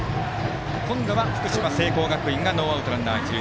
今度は福島・聖光学院がノーアウトランナー、一塁。